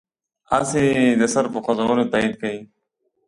هسې د سر په خوځولو تایید کوي.